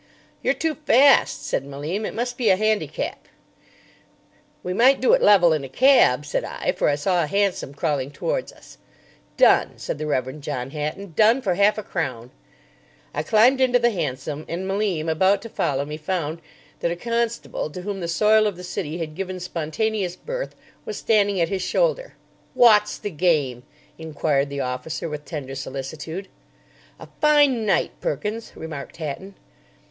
"You're too fast," said Malim; "it must be a handicap." "We might do it level in a cab," said I, for I saw a hansom crawling towards us. "Done," said the Rev. John Hatton. "Done, for half a crown!" I climbed into the hansom, and Malim, about to follow me, found that a constable, to whom the soil of the City had given spontaneous birth, was standing at his shoulder. "Wot's the game?" inquired the officer, with tender solicitude. "A fine night, Perkins," remarked Hatton.